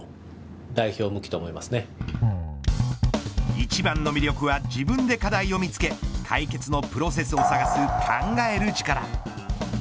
一番の魅力は自分で課題を見つけ解決のプロセスを探す考える力。